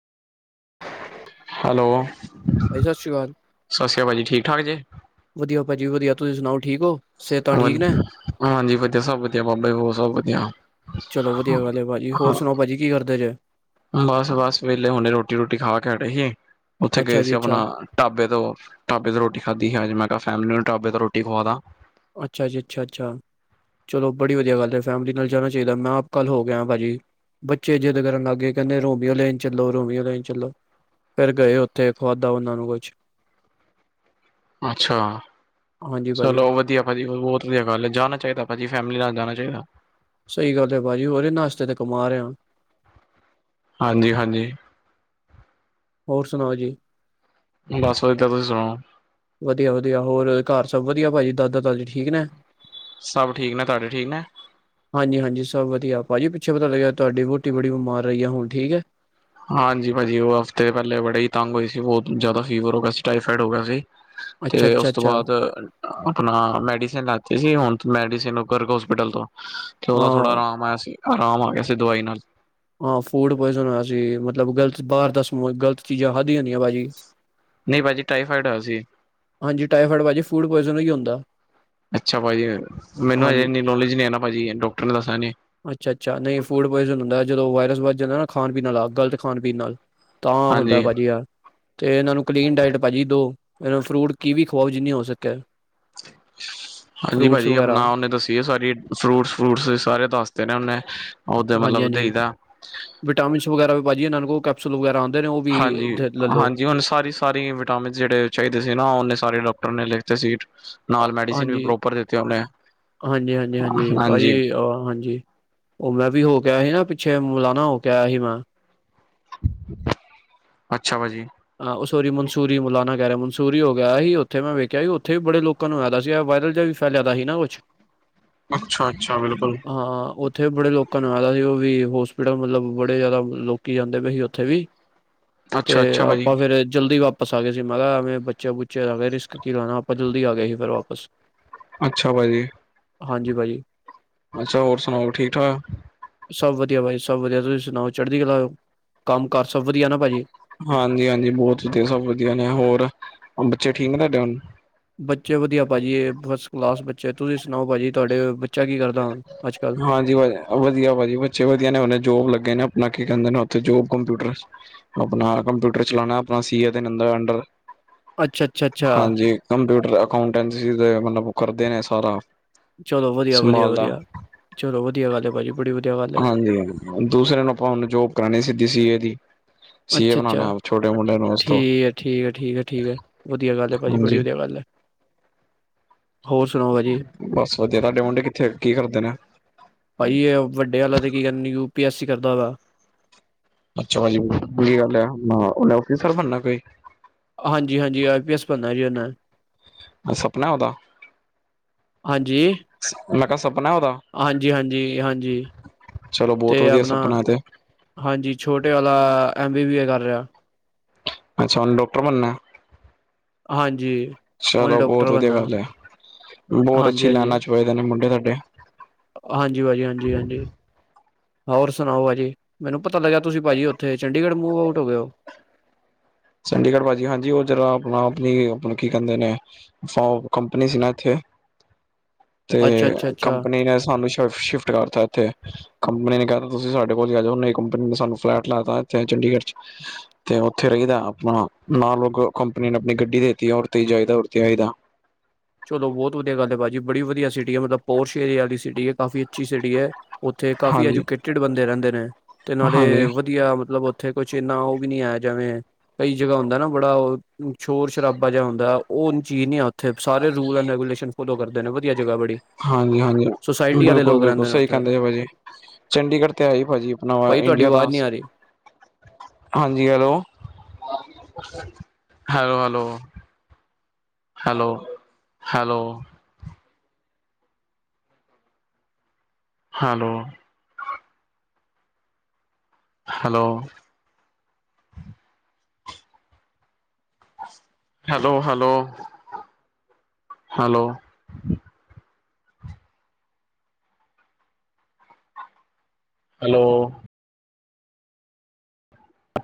Hello, ਭਾਜੀ ਸ਼੍ਰੀ ਅਕਾਲ ਸਤਿ ਸ਼੍ਰੀ ਅਕਾਲ ਭਾਜੀ ਠੀਕ- ਠਾਕ ਜੇ? ਵਧੀਆ ਭਾਜੀ ਵਧਿਆ, ਤੁਸੀ ਸੁਣਾਓ ਠੀਕ ਹੋ। ਸਿਹਤਾਂ ਠੀਕ ਨੇ ਹਾਂਜੀ, ਵਧੀਆ ਸਭ ਵਧੀਆ‌ ਬਾਬੇ ਹੋਰ ਸਭ ਵਧੀਆ। ਚਲੋ ਵਧੀਆ ਗੱਲ ਏ ਭਾਜੀ। ਹਾਂ ਹੋਰ ਸੋਨਾਓ ਭਾਜੀ ਕੀ ਕਰਦੇ ਜੇ? ਬਸ- ਬਸ ਵੇਲੇ, ਹੁਣੇ ਰੋਟੀ-ਰੋਟੀ ਖਾ ਕੇ ਹਟੇ ਸੀ। ਉੱਥੇ ਗਏ ਅੱਛਾ ਜੀ ਸੀ ਆਪਣਾ ਅੱਛਾ ਢਾਬੇ ਤੋਂ, ਢਾਬੇ ਤੋਂ ਰੋਟੀ ਖਾਧੀ ਹੈ ਅੱਜ, ਮੈਂ ਕਯਾ ਫੈਮਿਲੀ ਨੂੰ ਢਾਬੇ ਤੋਂ ਰੋਟੀ ਖਵਾਦਾ। ਅੱਛਾ ਜੀ, ਅੱਛਾ-ਅੱਛਾ। ਚਲੋ ਬੜੀ ਵਧੀਆ ਗੱਲ ਏ, ਫੈਮਿਲੀ ਨਾਲ ਜਾਣਾ ਚਾਹੀਦਾ। ਮੈਂ ਆਪ ਕੱਲ ਹੋ ਕੇ ਆਇਆਂ ਭਾਜੀ। ਬੱਚੇ ਜਿੱਦ ਕਰਨ ਲੱਗ ਗਏ, ਕਹਿੰਦੇ ਰੋਮੀਓ ਲੈਨ ਚੱਲੋ, ਰੋਮੀਓ ਲੈਨ ਚੱਲੋ ਫਿਰ ਗਏ ਉੱਥੇ ਖਆਦਾ ਉਹਨਾਂ ਨੂੰ ਕੁਛ ਅੱਛਾ ਹਾਂਜੀ ਭਾਜੀ ਚਲੋ ਵਧੀਆ ਭਾਜੀ ਬਹੁਤ ਵਧੀਆ ਗੱਲ ਏ, ਜਾਣਾ ਚਾਹੀਦਾ ਭਾਜੀ ਫੈਮਲੀ ਨਾਲ ਜਾਣਾ ਚਾਹੀਦਾ। ਸਹੀ ਗੱਲ ਹੈ ਭਾਜੀ। ਹੋਰ ਏਨਾ ਅਸਤੇ ਤੇ ਕਮਾ ਰਿਹਾ। ਹਾਂਜੀ ਹਾਂਜੀ। ਹੋਰ ਸੁਣਾਓ ਜੀ। ਬਸ ਓਦਾ ਤੁਸੀਂ ਸੁਣਾਓ। ਵਧੀਆ-ਵਧੀਆ, ਹੋਰ ਘਰ ਸਭ ਵਧੀਆ ਭਾਜੀ? ਦਾਦਾ-ਦਾਦੀ ਠੀਕ ਨੇ? ਸਭ ਠੀਕ ਨੇ। ਤੁਹਾਡੇ ਠੀਕ ਨੇ? ਹਾਂਜੀ ਹਾਂਜੀ ਸਭ ਵਧੀਆ। ਭਾਜੀ ਪਿੱਛੇ ਪਤਾ ਲੱਗਿਆ ਤੁਹਾਡੀ ਵਹੁਟੀ ਬੜੀ ਬਿਮਾਰ ਰਹੀ ਆ। ਹੁਣ ਠੀਕ ਹੈ? ਹਾਂਜੀ ਭਾਜੀ ਉਹ ਹਫ਼ਤੇ ਪਹਿਲੇ ਬੜੇ ਹੀ ਤੰਗ ਹੋਏ ਸੀ ਬਹੁਤ ਜ਼ਿਆਦਾ ਫੀਵਰ ਹੋ ਗਿਆ ਸੀ, ਟਾਈਫਾਇਡ ਹੋ ਗਿਆ ਸੀ। ਅੱਛਾ ਤੇ ਅੱਛਾ ਉਸ ਤੋਂ ਅੱਛਾ ਬਾਅਦ ਆਪਣਾ ਮੈਡੀਸਨ ਲੈਤੀ ਸੀ ਹੁਣ ਮੈਡੀਸਨ ਗਰਗ ਹੋਸਪਿਟਲ ਤੋਂ। ਤੇ ਉਹਦਾ ਥੋੜਾ ਹਾਂ ਆਰਾਮ ਆਇਆ ਸੀ, ਆਰਾਮ ਆ ਗਿਆ ਸੀ ਦਵਾਈ ਨਾਲ। ਹਾਂ, ਫੂਡ ਪੋਇਜ਼ਨ ਹੋਇਆ ਸੀ। ਮਤਲਬ ਗਲਤ ਬਾਹਰ ਦਾ ਸਮਾ ਗ਼ਲਤ ਚੀਜ਼ਾਂ ਖਾਦੀਆਂ ਜਦੀਆਂ ਭਾਜੀ। ਨਹੀਂ ਭਾਜੀ, ਟਾਈਫਾਈਡ ਹੋਇਆ ਸੀ। ਹਾਂਜੀ ਟਾਈਫੋਇਡ ਭਾਜੀ, ਫੂਡ ਪੁਆਇਜ਼ਨ ਹੀ ਹੁੰਦਾ। ਅੱਛਾ ਭਾਜੀ। ਮੈਨੂੰ ਅਜੇ ਹਾਂਜੀ ਇੰਨੀ ਨੋਲੇਜ ਨਹੀਂ ਨਾ ਭਾਜੀ, ਡਾਕਟਰ ਨੇ ਦਸਿਆ ਨੀ। ਅੱਛਾ ਅੱਛਾ। ਨਹੀਂ ਫੂਡ ਪੋਇਜ਼ਨ ਹੁੰਦਾ, ਜਦੋਂ ਵਾਇਰਸ ਵੱਧ ਜਾਂਦਾ ਨਾ ਖਾਣ-ਪੀਣ ਆਲਾ, ਆ ਗਲਤ ਖਾਣ-ਪੀਣ ਨਾਲ ਤਾਂ ਹੁੰਦਾ ਹਾਂਜੀ ਭਾਜੀ ਆ। ਤੇ ਇਹਨਾਂ ਨੂੰ ਕਲੀਨ ਡਾਇਟ ਭਾਜੀ ਦੋ। ਇ ਫਰੂਟ ਕੀਵੀ ਖਵਾਓ ਜਿੰਨੀ ਹੋ ਸਕੇ। ਹਾਂਜੀ ਫਰੂਟਸ ਭਾਜੀ। ਵਗੈਰਾ ਆਪਨਾ ਉਹਨੇ ਦੱਸੀਏ ਸਾਰੀ, ਫਰੂਟਸ -ਫਰੂਟਸ ਸਾਰੇ ਦੱਸਤੇ ਨੇ ਉਹਨੇ ਉਹਦੇ ਹਾਂਜੀ ਮਤਲਬ ਹਾਂਜੀ। ਦੇਈਦਾ ਵਿਟਾਮਿਨਸ ਵਗੈਰਾ ਵੀ ਭਾਜੀ ਇਨ੍ਹਾਂ ਨੂੰ ਕੋ ਕਾਫ ਕੈਪਸੁਲ ਵਗੈਰਾ ਆਂਦੇ ਨੇ ਉਹ ਵੀ ਹਾਂਜੀ ਲੈ ਲੋ। ਹਾਂਜੀ ਹੁਣ ਸਾਰੀ [unintelligible] ਸਾਰੀ ਵਿਟਾਮਿਨ ਜਿਹੜੇ ਚਾਹੀਦੇ ਸੀ ਨਾ, ਉਹਨੇ ਸਾਰੇ ਡਾਕਟਰ ਨੇ ਲਿਖਤੇ ਸੀ। ਨਾਲ ਮੈਡੀਸਨ ਵੀ ਹਾਂਜੀ ਪ੍ਰੋਪਰ ਦਿੱਤਿਆਂ ਉਹਨੇ ਹਾਂਜੀ ਹਾਂਜੀ ਹਾਂਜੀ ਭਾਜੀ ਹਾਂਜੀ ਉਹ ਮੈਂ ਵੀ ਹੋ ਕੇ ਸੀ ਨਾ ਪਿੱਛੇ, ਮੁਲਾਾਨਾ ਹੋ ਕੇ ਆਇਆ ਸੀ ਮੈਂ। ਅੱਛਾ ਭਾਜੀ। ਹਾਂ ੳਹ ਸੋਰੀ ਮਨਸੂਰੀ ਮੌਲਾਨਾ ਕਹਿ ਰਿਹਾ। ਮਨਸੂਰੀ ਹੋ ਗਿਆ ਹੀ। ਉੱਥੇ ਮੈਂ ਵੇਖਿਆ ਸੀ, ਉੱਥੇ ਵੀ ਬੜੇ ਲੋਕ ਲੋਕਾ ਨੂੰ ਹੈਗਾ ਸੀ। ਇਹ ਵਾਇਰਲ ਜਿਹਾ ਵੀ ਫੈਲਿਆ ਦਾ ਸੀ ਨਾ ਕੁਛ ਅੱਛਾ ਅੱਛਾ ਬਿਲਕੁਲ ਹਾਂ ਉੱਥੇ ਬੜੇ ਲੋਕਾਂ ਨੂੰ ਹੈਗਾ ਸੀ, ਉਹ ਵੀ ਹੋਸਪਿਟਲ ਮਤਲਬ, ਬੜੇ ਜ਼ਿਆਦਾ ਲੋਕੀ ਆਦੇ ਪਏ ਸੀ ਉੱਥੇ ਵੀ ਤੇ ਅੱਛਾ ਅੱਛਾ ਅਪ ਭਾਜੀ ਤੇ ਜਲਦੀ ਵਾਪਸ ਆ ਗਏ ਸੀ। ਮੈਂ ਕਿਹਾ ਏਵੇਂ ਬੱਚੇ ਬੁੱਚੇ ਏਵੇ ਰਿਸਕ ਕੀ ਲੈਣਾ ਆਪਾਂ ਜਲਦੀ ਆ ਗਏ ਸੀ ਫਿਰ ਵਾਪਸ। ਅੱਛਾ ਭਾਜੀ। ਹਾਂਜੀ ਭਾਜੀ ਅੱਛਾ ਹੋਰ ਸੁਣਾਓ ਠੀਕ-ਠਾਕ ਸਭ ਵਧੀਆ ਭਾਜੀ ਸਭ ਵਧੀਆ ਤੁਸੀਂ ਸੁਨਾਓ ਚੜ੍ਹਦੀ ਕਲਾ ਓ, ਕੰਮ ਕਾਰ ਸਭ ਵਧੀਆ ਨਾ ਭਾਜੀ। ਹਾਂਜੀ ਹਾਂਜੀ ਬਹੁਤ ਵਧੀਆ, ਸਭ ਵਧੀਆ ਨੇ ਹੋਰ ਬੱਚੇ ਠੀਕ ਨੇ ਤੁਹਾਡੇ ਹੁਨ ਬੱਚੇ ਵਧੀਆ ਭਾਜੀ ਇਹ ਫਸ ਕਲਾਸ ਬੱਚੇ ਤੁਸੀਂ ਸੁਨਾਓ ਭਾਜੀ ਤੁਹਾਡੇ ਬ‌ ਹਾਂਜੀ ਵ [unintelligible] ਵਧੀਆ ਭਾਜੀ ਬੱਚੇ ਵਧੀਆ ਨੇ ਉਹਨੇ ਜੋਬ ਲੱਗੇ ਨੇ ਅਪਨਾ ਕੀ ਕਹਿੰਦੇ ਨੇ ਉੱਥੇ ਜੋਬ ਕੰਪਿਊਟਰ ਅਪਨਾ ਕੰਪਿਊਟਰ ਚਲਾਨਾ ਅਪਨਾ ਸੀ ਏ ਦੇ ਅੰਡਰ ਅੱਛਾ ਅੱਛਾ ਅੱਛਾ ਹਾਂਜੀ ਕੰਪਿਊਟਰ ਅਕਾਂੳਟੈਂਸੀ ਮਤਲਬ ਕਰਦੇ ਨੇ ਸਾਰਾ ਚਲੋ ਵਧੀਆ ਵਧੀਆ ਸੰਭਾਲਦਾ ਵਧੀਆ ਚਲੋ ਵਧੀਆ ਗੱਲ ਹੈ ਭਾਜੀ ਬੜੀ ਵ ਹਾਂਜੀ ਦੂਸਰੇ ਨੂੰ ਆਪਾਂ ਹੁਨ ਜੋਬ ਕਰਾਣੀ ਸੀਗੀ ਸੀ ਏ ਦੀ ਸੀ ਏ ਅੱਛਾ ਅੱਛਾ ਬਣਾਉਣਾ ਛੋਟੇ ਮੁੰਡੇ ਨੂੰ ਉਸ ਤੋਂ ਠੀਕ ਹੈ ਠੀਕ ਹੈ ਠੀਕ ਹੈ ਠੀਕ ਹੈ ਵਧੀਆ ਗੱਲ ਹੈ ਭਾਜੀ ਬੜੀ ਹਾਂਜੀ ਵਧੀਆ ਗੱਲ ਏ। ਹੋਰ ਸੁਣਾਓ ਵਾਜੀ ਬਸ ਵਧੀਆ ਤੁਹਾਡੇ ਮੁੰਡੇ ਕਿੱਥੇ ਕੀ ਕਰਦੇ ਨੇ? ਭਾਜੀ ਵੱਡੇ ਵਾਲਾ ਤੇ ਕੀ ਕਹਿੰਦੇ ਯੂ ਪੀ ਐਸ ਸੀ ਕਰਦਾ ਵਾ ਅੱਛਾ ਭਾਜੀ ਵਦਿਆ ਗੱਲ ਏ ਉਹਨੇ ਆਫਿਸਰ ਬਣਨਾ ਕੋਈ ਹਾਂਜੀ ਹਾਂਜੀ ਆਈ ਪੀ ਐੱਸ ਬਨਣਾ ਜੀ ਉਹਨੇ ਇਹ ਸਪਨਾ ਉਹਦਾ ਹਾਂਜੀ ਮੈਂ ਕਿਹਾ ਸਪਨਾ ਉਹਦਾ ਹਾਂਜੀ ਹਾਂਜੀ ਹਾਂਜੀ ਚਲੋ ਬਹੁਤ ਤੇ ਵਧੀਆ ਅਪਨਾ ਸਪਨਾ ਤੇ ਹਾਂਜੀ ਛੋਟੇ ਆਲਾ ਐਮ ਬੀ ਬੀ ਏ ਕਰ ਰਿਹਾ ਅੱਛਾ ਉਹਨੇ ਡਾਕਟਰ ਬਣਨਾ। ਹਾਂਜੀ ਉਹਨੇ ਚਲੋ ਡਾਕਟਰ ਬਹੁਤ ਵਧੀਆ ਬਣਨਾ ਗੱਲ ਹੈ ਬਹੁਤ ਹਾਂਜੀ ਅੱਛੀ ਹਾਂਜੀ ਲੈਨਾ ਚ ਹੋ ਨੇ ਮੁੰਡੇ ਸਾਡੇ [unintelligible] ਹਾਂਜੀ ਭਾਜੀ। ਹਾਂਜੀ ਹਾਂਜੀ ਹੋਰ ਸੁਨਾਓ ਭਾਜੀ। ਮੈਨੂੰ ਪਤਾ ਲੱਗਿਆ ਤੁਸੀਂ ਭਾਜੀ ਉੱਥੇ ਚੰਡੀਗੜ੍ਹ ਮੂਵ ਆਊਟ ਹੋ ਗਏ ਓ? ਚੰਡੀਗੜ੍ਹ ਭਾਜੀ ਹਾਂਜੀ। ਉਹ ਜਰਾ ਅਪਣਾ ਅਪਣੀ ਕੀ ਕਹਿੰਦੇ ਨੇ ਸਾਓ ਕੰਪਨੀ ਸੀ ਨਾ ਇੱਥੇ। [inaudible] ਤੇ ਅੱਛਾ ਅੱਛਾ ਕੰਪਨੀ ਨੇ ਸਾਨੂੰ ਸ਼ਿਫ ਸ਼ਿਫਟ ਕਰਤਾ ਇੱਥੇ ਕੰਪਨੀ ਨੇ ਕਹਿਤਾ ਤੁਸੀਂ ਸਾਡੇ ਕੋਲ ਈ ਆ ਜਾਓ ੳਹਨੇ ਕੰਪਨੀ ਨੇ ਸਾਨੂੰ ਫਲੈਟ ਲੈ ਤਾ ਇਥੇ ਚੰਡੀਗੜ੍ਹ ਚ ਤੇ ਉੱਥੇ ਰਹੀ ਦਾ ਹਾਂ ਨਾਲ ੳਹ ਕੰਪਨੀ ਨੇ ਅਪਣੀ ਗੱਡੀ ਦੇਤੀ ਉਹਦੇ ਤੇ ਜਾਈਦਾ ਉਹਦੇ ਤੇ ਆਈ ਦਾ ਚਲੋ ਬਹੁਤ ਵਧੀਆ ਗੱਲ ਏ ਭਾਜੀ ਬੜੀ ਵਧਿਆ ਸਿਟੀ ਏ ਮਤਲਬ। ਪਾਸ਼ ਏਰੀਆ ਵਾਲੀ ਸਿਟੀ ਏ ਕਾਫੀ ਅੱਛੀ ਸਿਟੀ ਹੈ ਉੱਥੇ ਕਾਫੀ ਹਾਂਜੀ, ਐਜੂਕੇਟਿਡ ਬੰਦੇ ਰਹਿੰਦੇ ਨੇ। ਤੇ ਨਾਲੇ ਹਾਂਜੀ, ਵਧੀ ਵਧੀਆ ਮਤਲਬ ਉੱਥੇ ਕੁਛ ਇੰਨਾ ਉਹ ਵੀ ਨੀ ਆਇਆ ਜਵੇਂ ਕਈ ਜਗ੍ਹਾ ਹੁੰਦਾ ਨਾ ਬੜਾ ਉਹ ਸ਼ੋਰ ਸ਼ਰਾਾਿਹਾ ਹੁੰਦਾ ਉਹ ਚੀਜ਼ ਨਹੀਂ ਆ ਉੱਥੇ ਸਾਰੇ ਰੂਲ ਐਂਡ ਰੈਗੂਲੇਸ਼ਨ ਫੋਲੋ ਕਰਦੇ ਨੇ ਵਧੀਆ ਜਗ੍ਹਾ ਬੜੀ। ਹਾਂਜੀ ਹਾਂਜੀ ਸੁਸਾਇਟੀ ਵਾਲੇ ਬਿਲਕੁਲ ਲੋਕ ਬਿਲਕੁਲ ਰਹਿੰਦੇ ਨੇ ਸਹੀ ਉੱਥੇ ਕਹਿੰਦੇ ਜ ਭਾ ਜੀ। ਚੰਡੀਗੜ੍ਹ ਤੇ ਆਏ ਭਾਜੀੀ ਆਪਣਾ ਭਾਜੀ ਤੁਹਾਡੀ ਇੰਡੀਆ ਦਾ ਆਵਾਜ਼ ਨਹੀਂ ਆ ਰਹੀ। ਹਾਂਜੀ hello hello hello hello hello hello hello hello hello hello hello